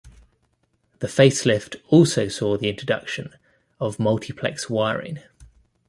The facelift also saw the introduction of multiplex wiring.